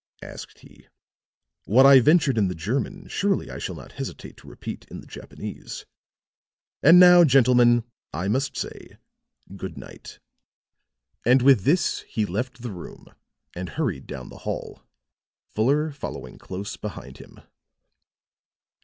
asked he. "What I ventured in the German surely I shall not hesitate to repeat in the Japanese. And now, gentlemen, I must say good night." And with this he left the room and hurried down the hall, Fuller following close behind him.